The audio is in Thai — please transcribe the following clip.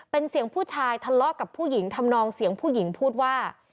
เป็นเสียงผู้ชายทะเลาะกับผู้หญิงทำนองเสียงผู้หญิงพูดว่า